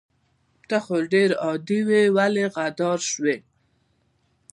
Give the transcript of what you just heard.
ته خو ډير عادي وي ولې غدار شوي